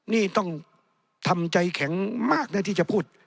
นี่ต้องทำใจแข็งมากนะที่จะพูด